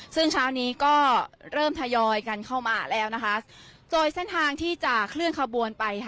ซึ่งเช้านี้ก็เริ่มทยอยกันเข้ามาแล้วนะคะโดยเส้นทางที่จะเคลื่อนขบวนไปค่ะ